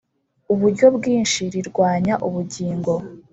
uburyo bwinshi rirwanya ubugingo